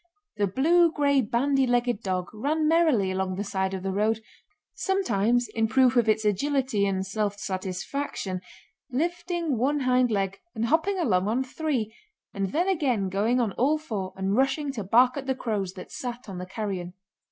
The blue gray bandy legged dog ran merrily along the side of the road, sometimes in proof of its agility and self satisfaction lifting one hind leg and hopping along on three, and then again going on all four and rushing to bark at the crows that sat on the carrion.